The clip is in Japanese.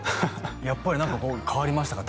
やっぱり何か変わりましたか？